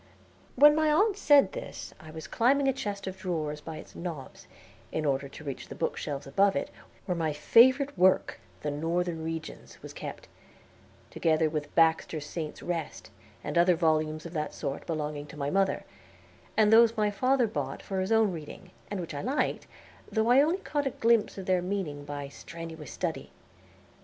When my aunt said this I was climbing a chest of drawers, by its knobs, in order to reach the book shelves above it, where my favorite work, "The Northern Regions," was kept, together with "Baxter's Saints' Rest," and other volumes of that sort, belonging to my mother; and those my father bought for his own reading, and which I liked, though I only caught a glimpse of their meaning by strenuous study.